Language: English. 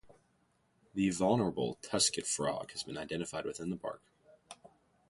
The vulnerable Tusked frog has been identified within the park.